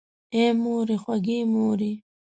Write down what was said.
آی مورې خوږې مورې!